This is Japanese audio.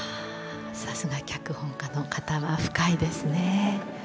さすが脚本家の方は深いですね。